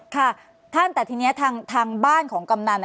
ค่ะท่านแต่ทีนี้ทางบ้านของกำนัน